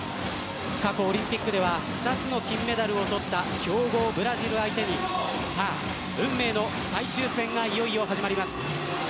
過去オリンピックでは２つの金メダルを取った強豪ブラジル相手にさあ、運命の最終戦がいよいよ始まります。